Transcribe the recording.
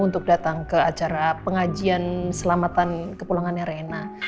untuk datang ke acara pengajian selamatan kepulangannya reina